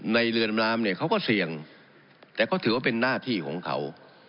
เรือนน้ำเนี่ยเขาก็เสี่ยงแต่ก็ถือว่าเป็นหน้าที่ของเขา